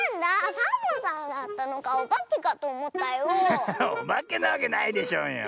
ハハハおばけなわけないでしょうよ。